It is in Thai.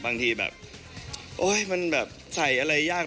บางทีแบบมันแบบชัยอะไรยาก